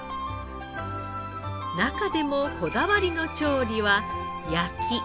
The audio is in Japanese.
中でもこだわりの調理は焼き。